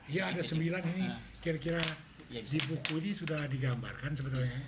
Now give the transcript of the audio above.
ya ada sembilan ini kira kira si buku ini sudah digambarkan sebenarnya